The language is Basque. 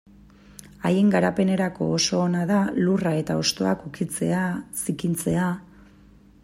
Haien garapenerako oso ona da lurra eta hostoak ukitzea, zikintzea...